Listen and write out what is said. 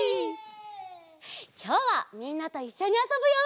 きょうはみんなといっしょにあそぶよ！